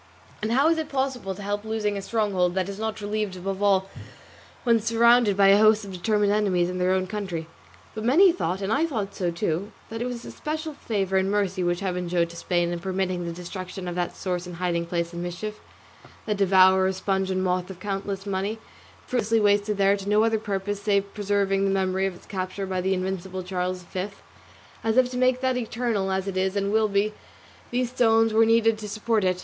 And how is it possible to help losing a stronghold that is not relieved, above all when surrounded by a host of determined enemies in their own country? But many thought, and I thought so too, that it was special favour and mercy which Heaven showed to Spain in permitting the destruction of that source and hiding place of mischief, that devourer, sponge, and moth of countless money, fruitlessly wasted there to no other purpose save preserving the memory of its capture by the invincible Charles V; as if to make that eternal, as it is and will be, these stones were needed to support it.